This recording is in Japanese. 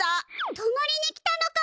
とまりに来たのかも！